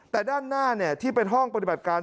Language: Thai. แต่ด้านหน้าที่เป็นห้องปฏิบัติการ